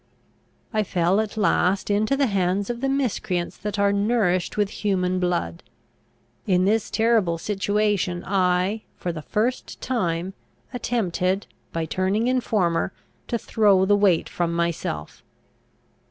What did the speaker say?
"I fell at last into the hands of the miscreants that are nourished with human blood. In this terrible situation I, for the first time, attempted, by turning informer, to throw the weight from myself.